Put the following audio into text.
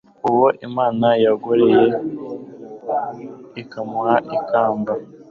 uwo imana yagororeye, ikamuha ikamba